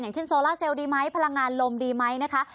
เช่นโซล่าเซลล์ดีไหมพลังงานลมดีไหมนะคะ